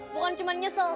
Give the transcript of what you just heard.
bukan cuma nyesel